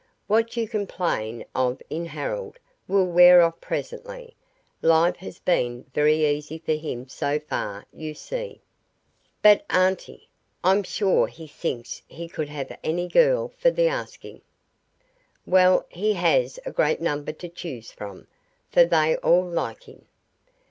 "What you complain of in Harold will wear off presently life has been very easy for him so far, you see." "But, auntie, I'm sure he thinks he could have any girl for the asking." "Well, he has a great number to choose from, for they all like him."